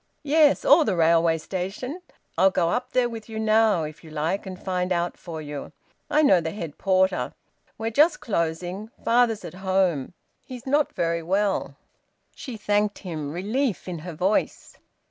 "Yes, or the railway station. I'll go up there with you now if you like, and find out for you. I know the head porter. We're just closing. Father's at home. He's not very well." She thanked him, relief in her voice.